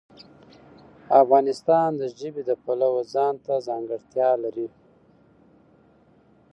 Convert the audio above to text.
افغانستان د ژبې د پلوه ځانته ځانګړتیا لري.